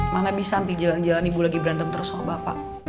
mana bisa jalan jalan ibu lagi berantem terus sama bapak